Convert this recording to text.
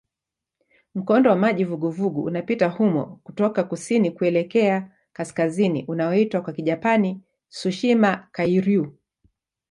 Mkondo wa maji vuguvugu unapita humo kutoka kusini kuelekea kaskazini unaoitwa kwa Kijapani "Tsushima-kairyū".